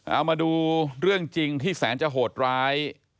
เอามาดูเรื่องจริงที่แสนจะโหดร้าย